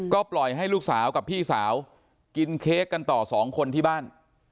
ก็ปล่อยให้ลูกสาวกับพี่สาวกินเค้กกันต่อสองคนที่บ้าน